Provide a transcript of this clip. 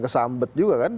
kesambet juga kan